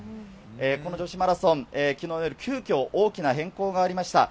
この女子マラソン、きのう夜、急きょ、大きな変更がありました。